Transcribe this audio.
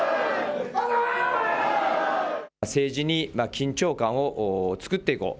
緊張感を作っていこう。